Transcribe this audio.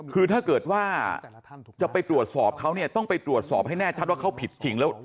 คือถ้าเกิดว่าจะไปตรวจสอบเขาเนี่ยต้องไปตรวจสอบให้แน่ชัดว่าเขาผิดจริงแล้ว